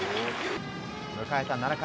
迎えた７回。